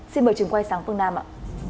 xin mời trường quay sáng phương nam ạ